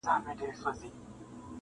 د وخت پر شونډو به زنګېږي زما تڼاکي غزل٫